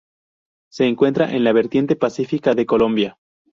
Se encuentra en la vertiente pacífica de Colombia.